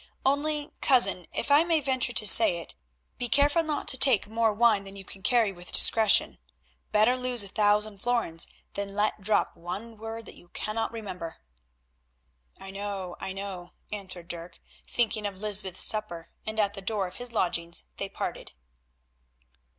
Only, cousin, if I may venture to say it, be careful not to take more wine than you can carry with discretion. Better lose a thousand florins than let drop one word that you cannot remember." "I know, I know," answered Dirk, thinking of Lysbeth's supper, and at the door of his lodgings they parted.